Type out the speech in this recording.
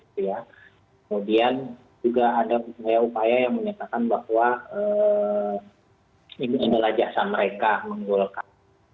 kemudian juga ada upaya upaya yang menyatakan bahwa ini adalah jasa mereka menggolkan